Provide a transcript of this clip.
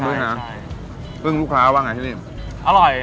ซึ่งลูกค้าว่าไงที่ที่นี่